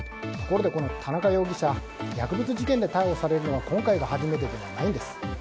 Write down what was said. ところでこの田中容疑者薬物事件で逮捕されるのは今回が初めてではないんです。